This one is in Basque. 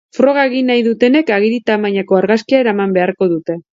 Froga egin nahi dutenek agiri tamainako argazkia eraman beharko dute.